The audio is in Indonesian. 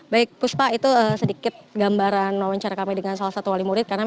baik puspa itu sedikit gambaran wawancara kami dengan salah satu wali murid